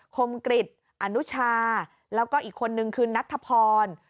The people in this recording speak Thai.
คมกริจอนุชาแล้วก็อีกคนนึงคือนัทธพร